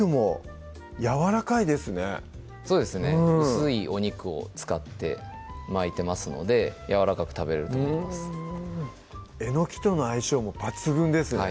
薄いお肉を使って巻いてますのでやわらかく食べれると思いますえのきとの相性も抜群ですよね